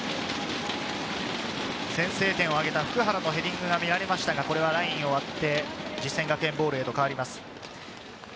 先制点を挙げた普久原のヘディングが見られましたが、これはラインを割って、実践学園ボールへと変わります。